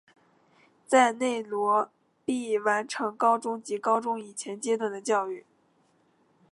在内罗毕完成高中及高中以前阶段的教育。